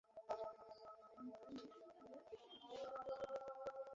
অন্যান্য ব্যাংকের সঙ্গে প্রতিযোগিতা করতে হলে তাদের মূলধন ঘাটতি পূরণ করতেই হবে।